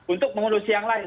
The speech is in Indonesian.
untuk mengurusi yang lain